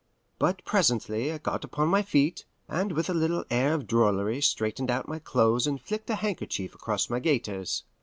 But presently I got upon my feet, and with a little air of drollery straightened out my clothes and flicked a handkerchief across my gaiters.